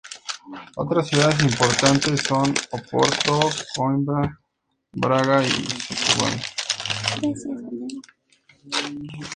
Otras ciudades importantes son: Oporto, Coimbra, Braga y Setúbal.